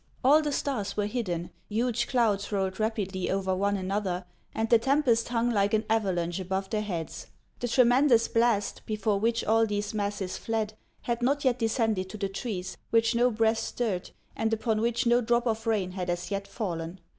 All the stars were hidden, huge clouds rolled rapidly over one another, and the tem pest hung like an avalanche above their heads. The tre mendous blast, before which all these masses fled, had riot yet descended to the trees, which no breath stirred, and upon which no drop of rain had as yet fallen.